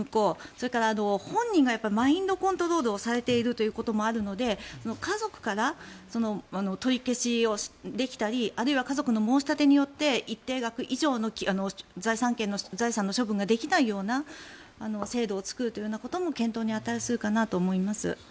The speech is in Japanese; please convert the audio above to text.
それから本人がマインドコントロールをされているということもあるので家族から取り消しをできたりあるいは家族の申し立てによって一定額以上の財産の処分ができないような制度を作るというようなことも検討に値するかなと思います。